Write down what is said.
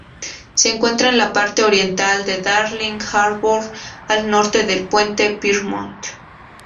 Se encuentra en la parte oriental de Darling Harbour, al norte del puente Pyrmont.